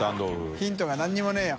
ヒントがなんにもねぇよ。